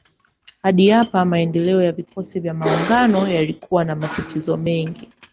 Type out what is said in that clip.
Hadi hapa maendeleo ya vikosi vya maungano yalikuwa na matatizo mengi.